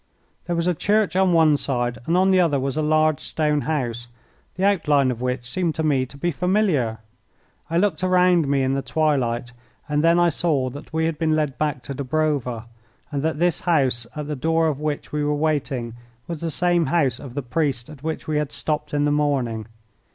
There was a church on one side, and on the other was a large stone house, the outline of which seemed to me to be familiar. I looked around me in the twilight, and then I saw that we had been led back to Dobrova, and that this house at the door of which we were waiting was the same house of the priest at which we had stopped in the morning.